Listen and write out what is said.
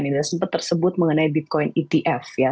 yang sempat tersebut mengenai bitcoin etf ya